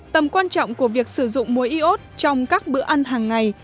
tầm quan trọng của việc sử dụng muối y ốt trong các bữa ăn hàng ngày